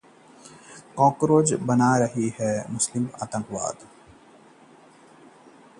cockroach ने बना दी अभि-प्रज्ञा की जोड़ी, देखिए कैसे